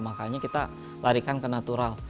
makanya kita larikan ke natural